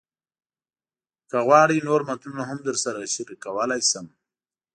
که غواړئ، نور متنونه هم درسره شریکولی شم.